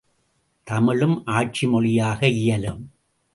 தமிழும் ஆட்சி மொழியாக இயலும்.